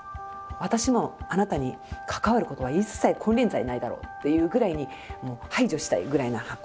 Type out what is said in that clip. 私もあなたに関わることは一切金輪際ないだろうっていうぐらいに排除したいぐらいな箱。